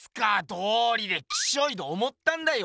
どうりでキショイと思ったんだよ！